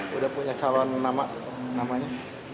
sudah punya calon namanya